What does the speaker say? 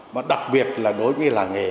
mà đặc biệt là đối với làng nghề